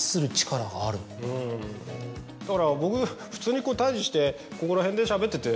うんだから僕普通にこう対峙してここら辺でしゃべってて。